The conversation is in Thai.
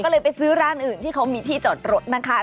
ก็เลยไปซื้อร้านอื่นที่เขามีที่จอดรถนะคะ